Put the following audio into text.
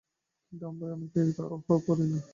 কিন্তু আমরা অনেকেই তো উহা পারি না।